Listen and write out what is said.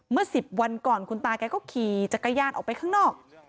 เมื่อ๑๐วันก่อนคุณตาแกก็ขี่จักรยานออกไปข้างนอก